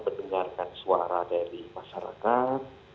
mendengarkan suara dari masyarakat